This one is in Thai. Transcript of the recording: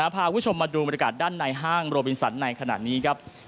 พาคุณผู้ชมมาดูบรรยากาศด้านในห้างโรบินสันในขณะนี้ครับ